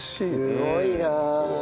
すごいな。